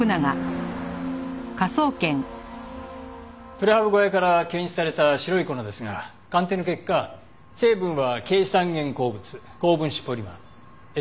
プレハブ小屋から検出された白い粉ですが鑑定の結果成分はケイ酸塩鉱物高分子ポリマーエッセンシャルオイル。